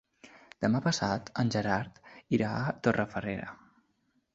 Demà passat en Gerard irà a Torrefarrera.